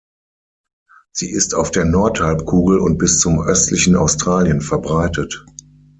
Sie ist auf der Nordhalbkugel und bis zum östlichen Australien verbreitet.